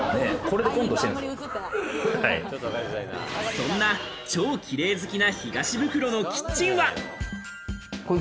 そんな超キレイ好きな、東ブクロのキッチンは。